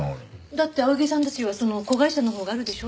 だって青柳さんたちはその子会社のほうがあるでしょ？